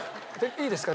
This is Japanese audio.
いいですか？